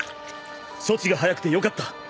処置が早くてよかった。